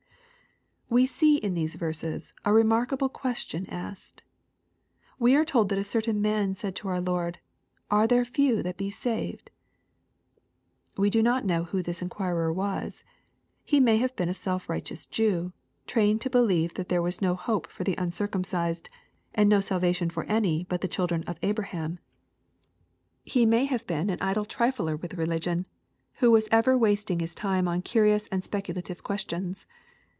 We see in these verses a remarkable question asked. We are told that a certain man said to our Lord, " Are there few that be saved ?" We do not know who this enquirer was. He may have been a self righteous Jew, trained to believe that there was no hope for the uncircumcised, and no salvation for auj but the children of Abraham. He may have bee? LUKE, CHAP. XIII. 131 an idle trifler with religion, who was ever wasting his time on curious and speculative questions.